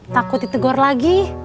takut ditegor lagi